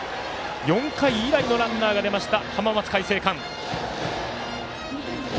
４回以来のランナーが出ました浜松開誠館。